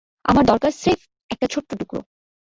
আমার দরকার স্রেফ একটা ছোট্ট টুকরো।